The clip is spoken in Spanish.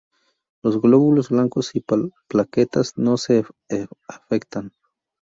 Los glóbulos blancos y plaquetas no se afectan.